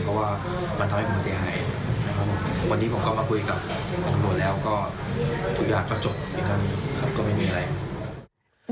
เพราะว่ามันทำให้ผมเสียหายนะครับวันนี้ผมก็มาคุยกับตำรวจแล้วก็ทุกอย่างก็จบอีกครั้งหนึ่งครับก็ไม่มีอะไร